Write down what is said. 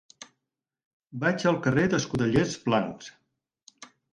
Vaig al carrer d'Escudellers Blancs.